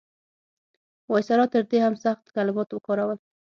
وایسرا تر دې هم سخت کلمات وکارول.